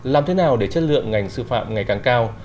làm thế nào để chất lượng ngành sư phạm ngày càng cao